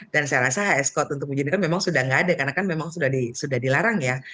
dan saya rasa hs code untuk biji nikel memang sudah tidak ada karena memang sudah dilarang ya